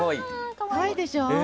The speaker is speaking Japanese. かわいいでしょ？ね。